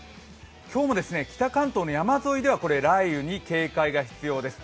今日も、北関東の山沿いでは雷雨に警戒が必要です。